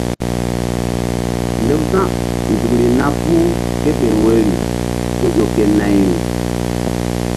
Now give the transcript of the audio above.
Lewsa̧nzukri na puh kéɓel woyri ku ƴo ko nayri.